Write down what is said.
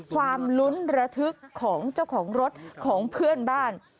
ความลุ้นระทึกของเจ้าของรถของเพื่อนบ้าน